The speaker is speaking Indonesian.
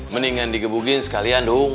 mendingan dikebukin sekalian dong